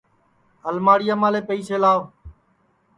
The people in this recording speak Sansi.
الماڑِیاملے پیئیسے لاو